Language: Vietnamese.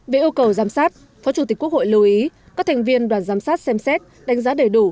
về yêu cầu giám sát phó chủ tịch quốc hội lưu ý các thành viên đoàn giám sát xem xét đánh giá đầy đủ